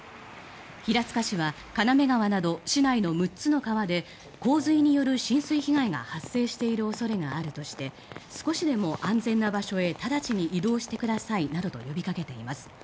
平塚市は金目川など市内の６つの川で洪水による浸水被害が発生している恐れがあるとして少しでも安全な場所へ直ちに移動してくださいと呼びかけています。